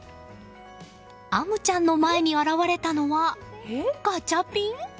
天夢ちゃんの前に現れたのはガチャピン？